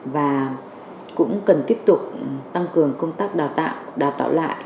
và cũng cần tiếp tục tăng cường công tác đào tạo đào tạo lại